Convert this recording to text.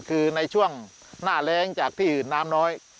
คือในช่วงหน้าแรงจากที่อื่นน้ำน้อย